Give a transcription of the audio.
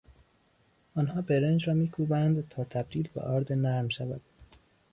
آنها برنج را میکوبند تا تبدیل به آرد نرم شود.